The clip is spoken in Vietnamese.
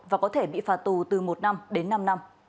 và có thể bị phạt tù từ một năm đến năm năm